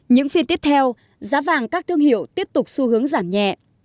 những phiên tiếp theo giá vàng các thương hiệu tiếp tục xu hướng giảm nhẹ